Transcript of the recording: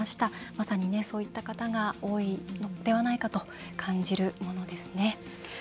まさに、そういった方が多いのではないかと感じるものですね。